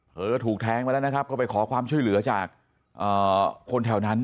เธอก็ถูกแทงมาแล้วนะครับก็ไปขอความช่วยเหลือจากคนแถวนั้น